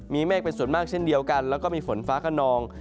มีเมฆเป็นส่วนมากเช่นเดียวกันแล้วก็มีฝนฟ้าขนอง